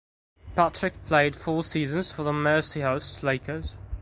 Patrick played four seasons for the Mercyhurst Lakers.